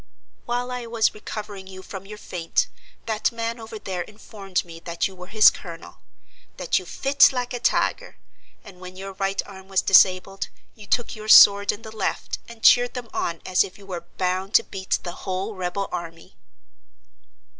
"While I was recovering you from your faint, that man over there informed me that you were his Colonel; that you 'fit like a tiger,' and when your right arm was disabled, you took your sword in the left and cheered them on as if you 'were bound to beat the whole rebel army.